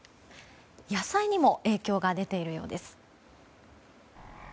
野菜に影響が出ているようです。